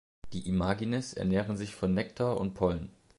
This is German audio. Die Imagines ernähren sich von Nektar und Pollen.